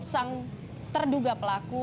sang terduga pelaku